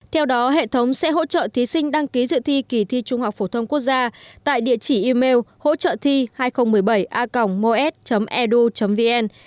theo đó hệ thống sẽ hỗ trợ thí sinh đăng ký dự thi kỳ thi trung học phổ thông quốc gia tại địa chỉ email hỗ trợ thi hai nghìn một mươi bảy a gmos edu vn